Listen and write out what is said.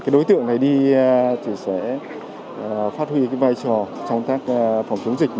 đối tượng này đi sẽ phát huy vai trò trong tác phòng chống dịch